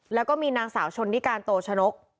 แล้วก็มีนางสาวชนนิการโตชนก